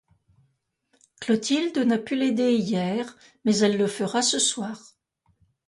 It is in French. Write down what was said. Clothilde n'a pu l'aider hier, mais elle le fera ce soir.